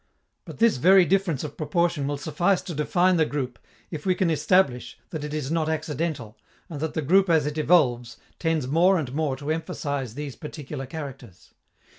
But this very difference of proportion will suffice to define the group, if we can establish that it is not accidental, and that the group as it evolves, tends more and more to emphasize these particular characters.